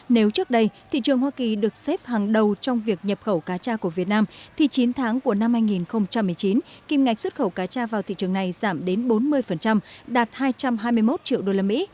nếu trước đây thị trường hoa kỳ được xếp hàng đầu trong việc nhập khẩu cá cha của việt nam thì chín tháng của năm hai nghìn một mươi chín kim ngạch xuất khẩu cá cha vào thị trường này giảm đến bốn mươi đạt hai trăm hai mươi một triệu usd